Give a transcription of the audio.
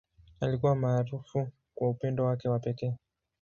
Alikuwa maarufu kwa upendo wake wa pekee.